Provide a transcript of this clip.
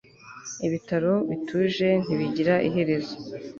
Ibitaro bituje ntibigira iherezo